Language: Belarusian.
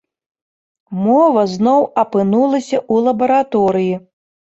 Мова зноў апынулася ў лабараторыі.